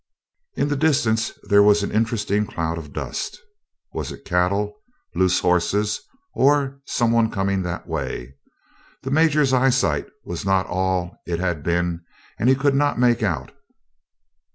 In the distance there was an interesting cloud of dust. Was it cattle, loose horses, or some one coming that way? The Major's eyesight was not all it had been and he could not make out.